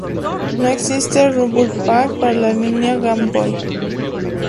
No existe Rumble Pak para la línea Game Boy.